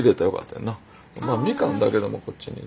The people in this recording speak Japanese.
みかんだけでもこっちに。